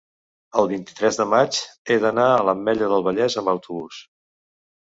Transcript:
el vint-i-tres de maig he d'anar a l'Ametlla del Vallès amb autobús.